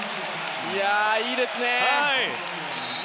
いいですね！